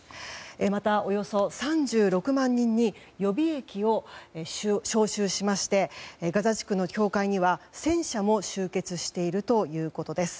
また、およそ３６万人予備役を招集しましてガザ地区の境界には戦車も集結しているということです。